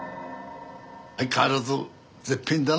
相変わらず絶品だな。